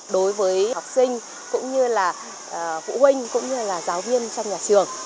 đối với học sinh cũng như là phụ huynh cũng như là giáo viên trong nhà trường